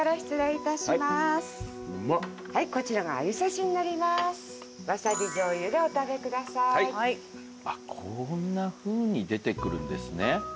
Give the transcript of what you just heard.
こんなふうに出てくるんですね。